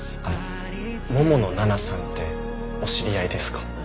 桃野奈々さんってお知り合いですか？